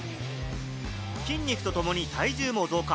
筋肉とともに体重も増加。